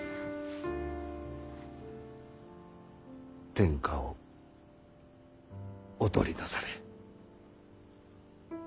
天下をお取りなされ。